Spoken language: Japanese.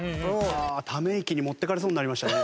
ため息に持っていかれそうになりましたね